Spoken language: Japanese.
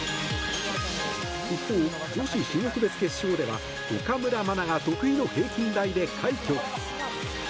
一方、女子種目別決勝では岡村真が得意の平均台で快挙。